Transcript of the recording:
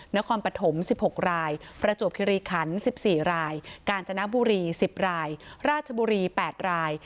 นครปฐม๑๖รายประจวบคิริขัน๑๔รายกาญจนบุรี๑๐รายราชบุรี๘ราย